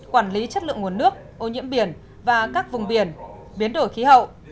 quản lý chất lượng nguồn nước ô nhiễm biển và các vùng biển biến đổi khí hậu